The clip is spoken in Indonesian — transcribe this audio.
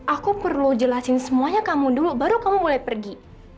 aku perlu jelasin semuanya kamu dulu baru kamu mulai pergi